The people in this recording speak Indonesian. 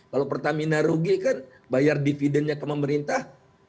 kalau pertamina rugi kan bayar dividennya ke pemerintah